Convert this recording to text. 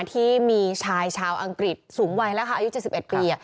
ที่มีชายชาวอังกฤษสูงวัยแล้วค่ะอายุ๗๑ปี